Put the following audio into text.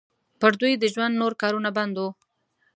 پر دوی د ژوند نور کارونه بند وو.